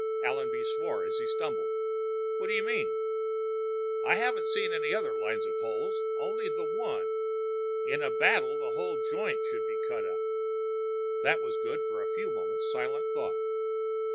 Allenby swore as he stumbled. "What do you mean?" "I haven't seen any other lines of holes only the one. In a battle, the whole joint should be cut up. That was good for a few moments' silent thought.